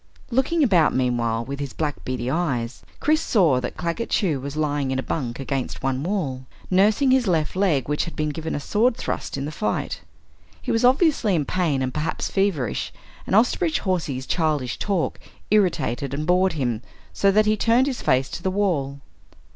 Looking about meanwhile with his black beady eyes, Chris saw that Claggett Chew was lying in a bunk against one wall, nursing his left leg which had been given a sword thrust in the fight. He was obviously in pain and perhaps feverish, and Osterbridge Hawsey's childish talk irritated and bored him so that he turned his face to the wall.